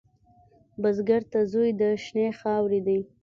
بزګر ته زوی د شنې خاورې دی